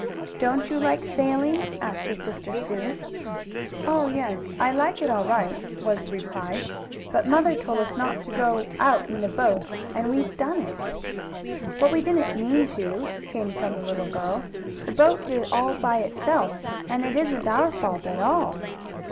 "Don't you like sailing," asked his sister Sue. "Oh, yes, I like it all right," was the reply, "but mother told us not to go out in the boat and we've done it." "But we didn't mean to," came from the little girl. "The boat did it all by itself, and it isn't our fault at all."